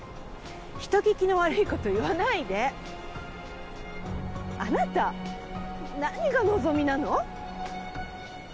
人聞きの悪いこと言わないあなた何が望みなの？